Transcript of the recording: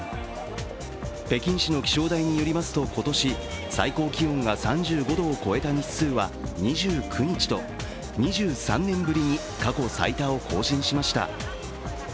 北京市の気象台によりますと今年最高気温が３５度を超えた日数は２９日と、２３年ぶりに過去最多を更新しました。